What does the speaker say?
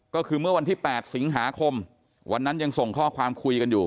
ก็คือเมื่อวันที่๘สิงหาคมวันนั้นยังส่งข้อความคุยกันอยู่